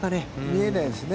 見えないですね。